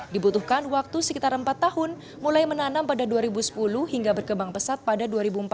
dibutuhkan waktu sekitar empat tahun mulai menanam pada dua ribu sepuluh hingga berkembang pesat pada dua ribu empat belas